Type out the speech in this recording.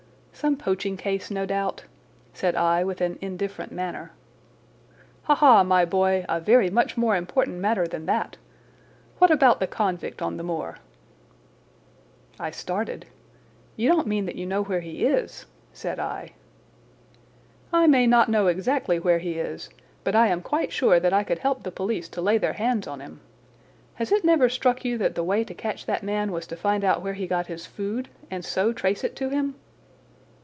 "Some poaching case, no doubt?" said I with an indifferent manner. "Ha, ha, my boy, a very much more important matter than that! What about the convict on the moor?" I stared. "You don't mean that you know where he is?" said I. "I may not know exactly where he is, but I am quite sure that I could help the police to lay their hands on him. Has it never struck you that the way to catch that man was to find out where he got his food and so trace it to him?"